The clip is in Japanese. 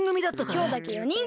きょうだけ４にんぐみだ！